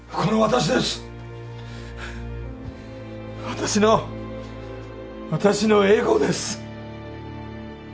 私の私のエゴです。